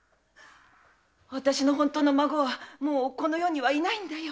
わたしの本当の孫はもうこの世にはいないんだよ！